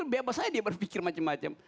bebas saja dia berpikir macam macam